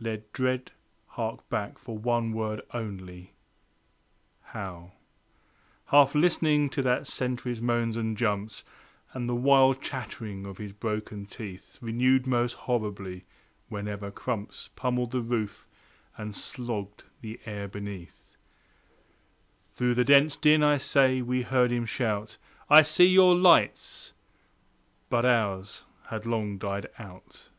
Let dread hark back for one word only: how Half listening to that sentry's moans and jumps, And the wild chattering of his broken teeth, Renewed most horribly whenever crumps Pummelled the roof and slogged the air beneath Through the dense din, I say, we heard him shout "I see your lights!" But ours had long died out.